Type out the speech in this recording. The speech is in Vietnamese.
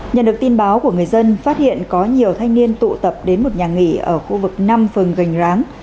nhận được tin báo của người dân phát hiện có nhiều thanh niên tụ tập đến một nhà nghỉ ở khu vực năm phường gành ráng